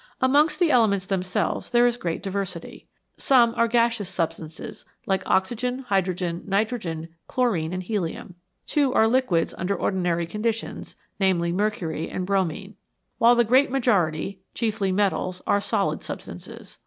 Amongst the elements themselves there is great diversity. Some are gaseous substances, like oxygen, hydrogen, nitrogen, chlorine, and helium ; two are liquids under ordinary conditions, namely, mercury and bromine ; while the great majority, chiefly metals, are solid substances.